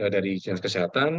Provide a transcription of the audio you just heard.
dari jenis kesehatan